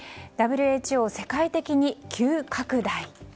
ＷＨＯ、世界的に急拡大。